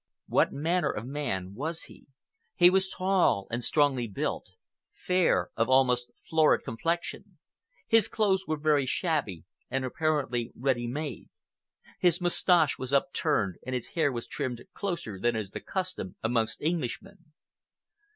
What manner of man was he? He was tall and strongly built; fair—of almost florid complexion. His clothes were very shabby and apparently ready made. His moustache was upturned, and his hair was trimmed closer than is the custom amongst Englishmen.